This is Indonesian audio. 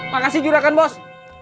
makasih juragan bos